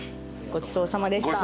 ごちそうさまでした。